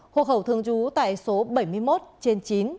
hồ hậu thương chú tại số bảy mươi một trên chín